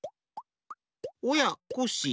おやコッシー